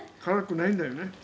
辛くないんだよね。